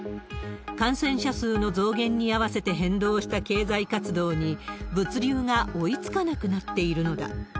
感染者数の増減に合わせて変動した経済活動に、物流が追いつかなくなっているのだ。